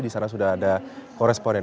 disana sudah ada koresponen